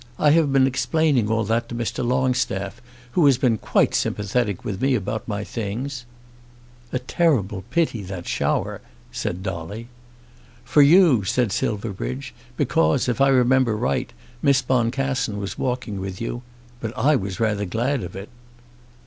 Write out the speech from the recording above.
I have been explaining all that to Mr. Longstaff, who has been quite sympathetic with me about my things." "A terrible pity that shower," said Dolly. "For you," said Silverbridge, "because, if I remember right, Miss Boncassen was walking with you; but I was rather glad of it."